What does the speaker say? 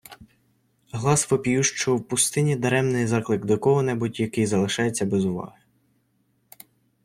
Глас вопіющого в пустині - даремний заклик до кого-небудь, який залишається без уваги